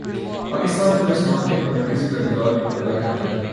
پاکستان کو اس معرکے میں مرکزی کردار ادا کرنا ہے۔